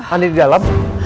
andin di dalam